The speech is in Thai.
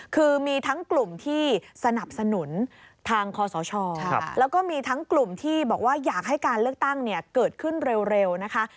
คือมีทั้งกลุ่มที่สนับสนุนทางคอสชแล้วก็มีทั้งกลุ่มที่บอกว่าอยากให้การเลือกตั้งเนี่ยเกิดขึ้นเร็วนะคะ